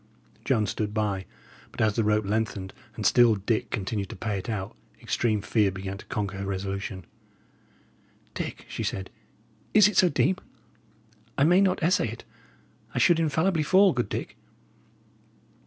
Joan stood by; but as the rope lengthened, and still Dick continued to pay it out, extreme fear began to conquer her resolution. "Dick," she said, "is it so deep? I may not essay it. I should infallibly fall, good Dick."